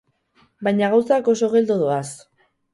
Baina gauzak oso geldo doaz.